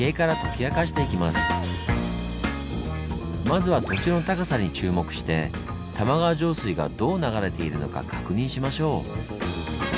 まずは土地の高さに注目して玉川上水がどう流れているのか確認しましょう。